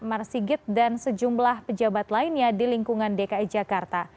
marsigit dan sejumlah pejabat lainnya di lingkungan dki jakarta